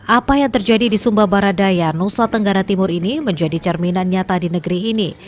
apa yang terjadi di sumba baradaya nusa tenggara timur ini menjadi cerminan nyata di negeri ini